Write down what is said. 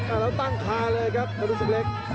อ่ะแล้วตั้งคลาเลยครับธนูศิกเล็ก